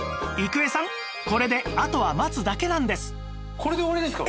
これで終わりですか？